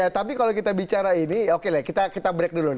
tapi kalau kita bicara ini oke kita break dulu